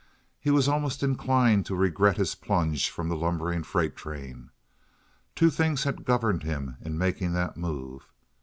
He was almost inclined to regret his plunge from the lumbering freight train. Two things had governed him in making that move.